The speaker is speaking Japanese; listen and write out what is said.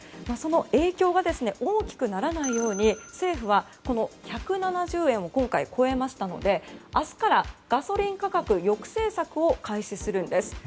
その影響が大きくならないように政府は１７０円を今回超えましたので明日からガソリン価格抑制策を開始するんです。